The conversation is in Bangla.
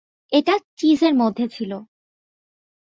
এটা চিজের মধ্যে ছিল।